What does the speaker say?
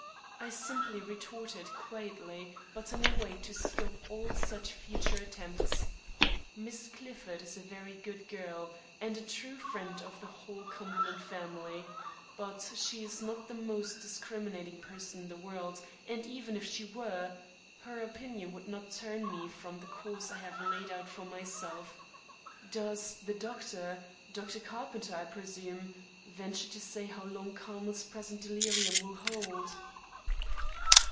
I simply retorted quietly but in a way to stop all such future attempts: "Miss Clifford is a very good girl and a true friend of the whole Cumberland family; but she is not the most discriminating person in the world, and even if she were, her opinion would not turn me from the course I have laid out for myself. Does the doctor Dr. Carpenter, I presume, venture to say how long Carmel's present delirium will hold?"